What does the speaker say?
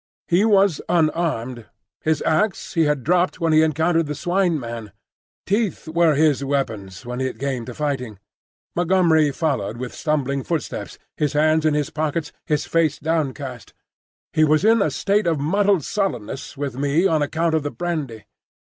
He was unarmed; his axe he had dropped when he encountered the Swine man. Teeth were his weapons, when it came to fighting. Montgomery followed with stumbling footsteps, his hands in his pockets, his face downcast; he was in a state of muddled sullenness with me on account of the brandy.